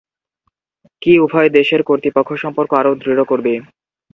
কি উভয় দেশের দ্বিপক্ষীয় সম্পর্ক আরও দৃঢ় করবে?